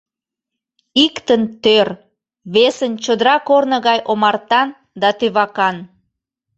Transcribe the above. Иктын тӧр, весын чодыра корно гай омартан да тӧвакан.